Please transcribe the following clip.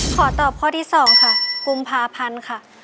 ขอตอบข้อที่๒ค่ะกุมภาพันธ์ค่ะ